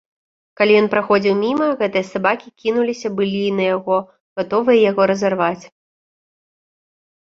Калі ён праходзіў міма, гэтыя сабакі кінуліся былі на яго, гатовыя яго разарваць.